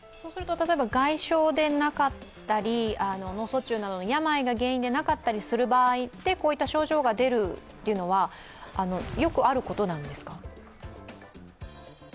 例えば外傷でなかったり脳卒中などの病が原因でなかったりする場合でこういった症状が出るのはよくあることなんですか？